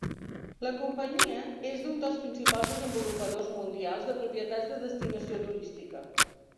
La companyia és un dels principals desenvolupadors mundials de propietats de destinació turística.